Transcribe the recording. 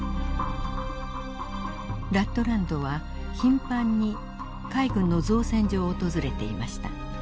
ラットランドは頻繁に海軍の造船所を訪れていました。